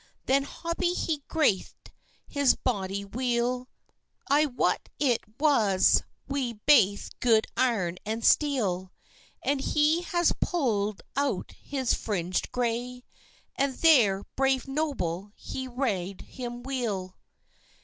Then Hobie has graith'd his body weel, I wat it was wi' baith good iron and steel; And he has pull'd out his fringed grey, And there, brave Noble, he rade him weel.